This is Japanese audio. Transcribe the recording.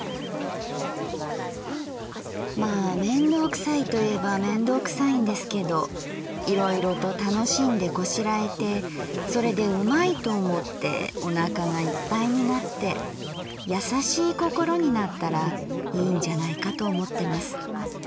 「まあ面倒くさいと言えば面倒くさいんですけどいろいろと楽しんでこしらえてそれでうまいと思ってお腹が一杯になって優しい心になったらいいんじゃないかと思ってます。